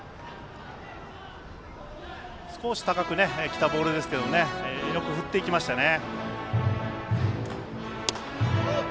少し高くきたボールですがよく振っていきましたね。